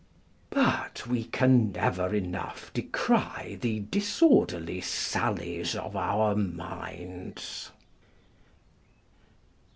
] But we can never enough decry the disorderly sallies of our minds.